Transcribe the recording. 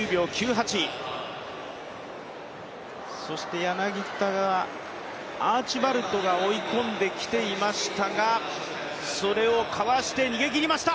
そして柳田が、アーチバルドが追い込んできていましたが、それをかわして逃げ切りました。